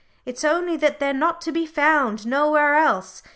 "It's only that they're not to be found nowhere else.